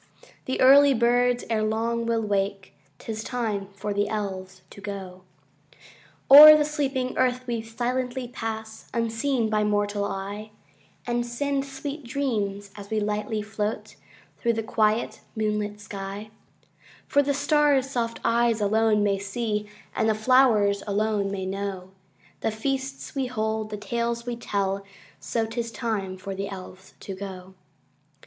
The early birds erelong will wake: âT is time for the Elves to go. Oâer the sleeping earth we silently pass, Unseen by mortal eye, And send sweet dreams, as we lightly float Through the quiet moonlit sky;â For the starsâ soft eyes alone may see, And the flowers alone may know, The feasts we hold, the tales we tell: So ât is time for the Elves to go.